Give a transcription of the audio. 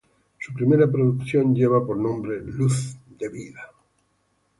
Su primera producción lleva por nombre Luz de Vida.